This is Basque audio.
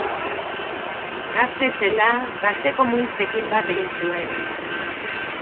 Gazte zela, Gazte Komunistekin bat egin zuen.